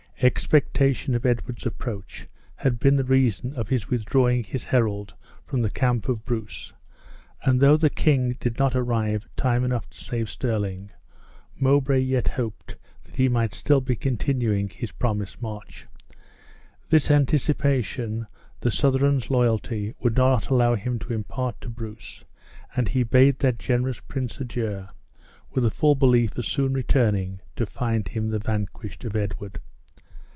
Expectation of Edward's approach had been the reason of his withdrawing his herald from the camp of Bruce, and though the king did not arrive time enough to save Stirling, Mowbray yet hoped he might still be continuing his promised march. This anticipation the Southron's loyalty would not allow him to impart to Bruce, and he bade that generous prince adieu, with the full belief of soon returning to find him the vanquished of Edward.